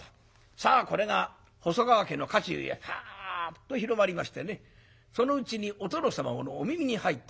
さあこれが細川家の家中へパッと広まりましてねそのうちにお殿様のお耳に入った。